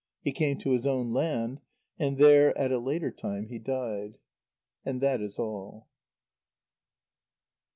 He came to his own land, and there at a later time he died. And that is all.